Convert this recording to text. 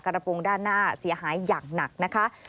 กระโปรงด้านหน้าเสียหายอย่างหนักนะคะ